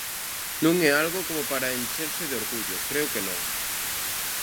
Non é algo como para encherse de orgullo; creo que non.